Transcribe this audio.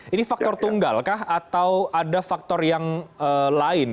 ini faktor tunggalkah atau ada faktor yang lain